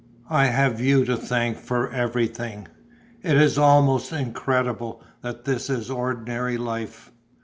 I have you to thank for everything. It is almost incredible that this is ordinary life.